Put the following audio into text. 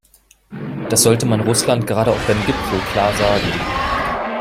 Das sollte man Russland gerade auch beim Gipfel klar sagen.